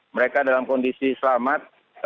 mereka dalam kondisi selamat